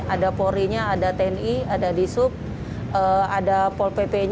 ada polri tni disub pol pp